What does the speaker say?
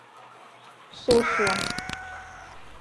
Susla.